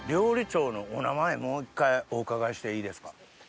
もう１回お伺いしていいですか。